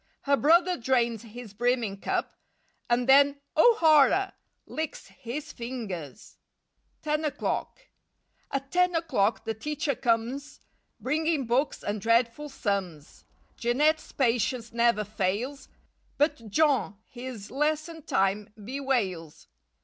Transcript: Her brother drains his brimming cup. And then—oh, horror!—licks his fingers! 13 NINE O'CLOCK 15 TEN O'CLOCK AT ten o'clock the teacher comes ZjL Bringing books and dreadful Jeanette's patience never fails, But Jean his lesson time bewails.